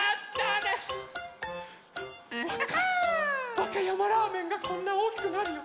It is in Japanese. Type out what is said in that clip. わかやまラーメンがこんなおおきくなるよ！